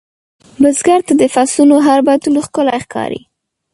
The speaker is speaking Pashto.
بزګر ته د فصلونـو هر بدلون ښکلی ښکاري